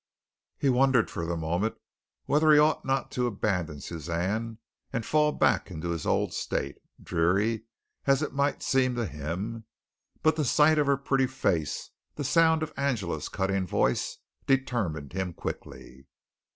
He wondered for the moment whether he ought not to abandon Suzanne and fall back into his old state, dreary as it might seem to him; but the sight of her pretty face, the sound of Angela's cutting voice, determined him quickly.